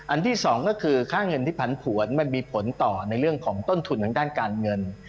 ที่สองก็คือค่าเงินที่ผันผวนมันมีผลต่อในเรื่องของต้นทุนทางด้านการเงิน